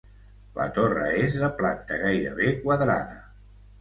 La torre és de planta gairebé quadrada.